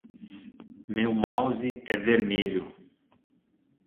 Meu mouse é vermelho